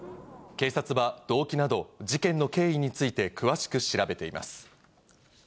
警察は、動機など事件の経緯について詳しく調べています。